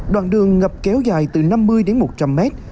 đoạn đường ngập kéo dài từ năm mươi đến một trăm linh mét